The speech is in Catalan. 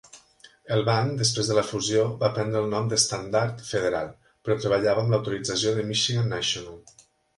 El banc, després de la fusió, va prendre el nom de Standard Federal, però treballava amb l'autorització de Michigan National.